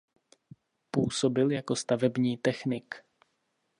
Působil jako stavební technik.